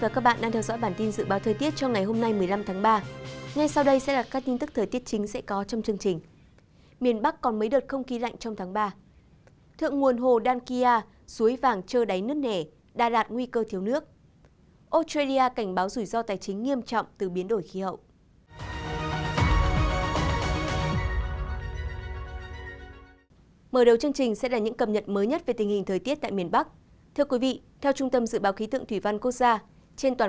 các bạn hãy đăng ký kênh để ủng hộ kênh của chúng mình nhé